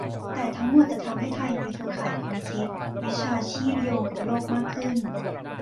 แต่ทั้งหมดจะทำให้ไทยมีเครือข่ายความคิด-วิชาชีพโยงกับโลกมากขึ้น